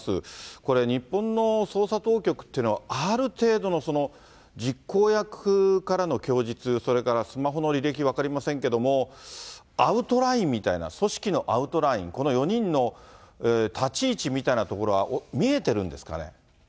これ、日本の捜査当局というのは、ある程度の実行役からの供述、それからスマホの履歴、分かりませんけれども、アウトラインみたいな、組織のアウトライン、この４人の立ち位置みたいなところは見えてるんですかね。